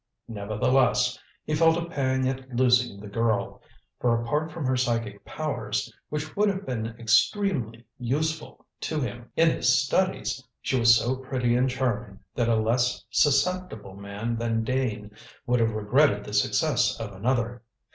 Nevertheless, he felt a pang at losing the girl, for apart from her psychic powers, which would have been extremely useful to him in his studies, she was so pretty and charming that a less susceptible man than Dane would have regretted the success of another.